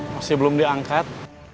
masih belum diangkat